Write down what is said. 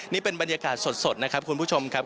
นี่เป็นบรรยากาศสดนะครับคุณผู้ชมครับ